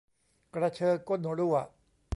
กระเชอก้นรั่ว